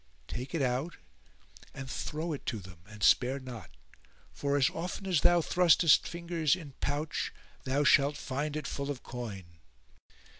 Take it out and throw it to them and spare not; for as often as thou thrustest fingers in pouch thou shalt find it full of coin.